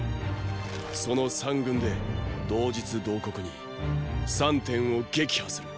その三軍で同日同刻に三点を撃破する！